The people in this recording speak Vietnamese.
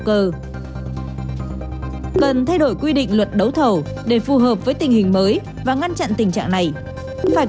cơ cần thay đổi quy định luật đấu thầu để phù hợp với tình hình mới và ngăn chặn tình trạng này cũng phải